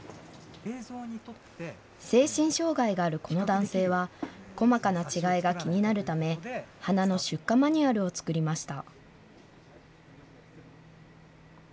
精神障害があるこの男性は、細かな違いが気になるため、花の出荷マニュアルを作りました。